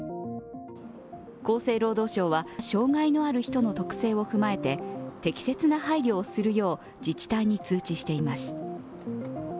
厚生労働省は障害のある人の特性を踏まえて適切な配慮をするよう自治体に通知しています。